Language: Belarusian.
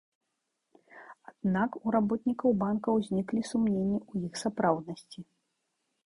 Аднак у работнікаў банка ўзніклі сумненні ў іх сапраўднасці.